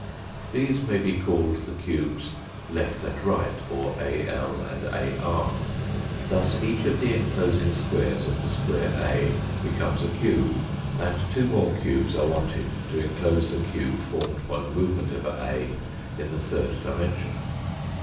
These may be called the cubes left and right or Al and AT. Thus each of the enclosing squares of the square A becomes a cube and two more cubes are wanted to enclose the cube formed by the movement of A in the third dimension.